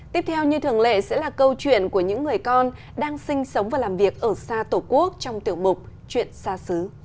tiếp theo như thường lệ sẽ là câu chuyện của những người con đang sinh sống và làm việc ở xa tổ quốc trong tiểu mục chuyện xa xứ